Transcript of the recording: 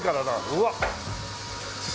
うわっ！